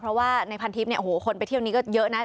เพราะว่าในพันทีฟคนไปที่อย่างนี้ก็เยอะนะ